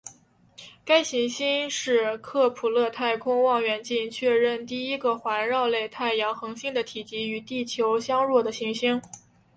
该行星是克卜勒太空望远镜确认第一个环绕类太阳恒星的体积与地球相若的行星。